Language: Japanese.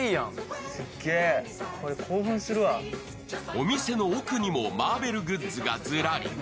お店の奥にもマーベルグッズがずらり。